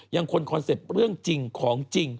คนคอนเซ็ปต์เรื่องจริงของจริง